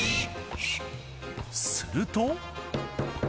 すると。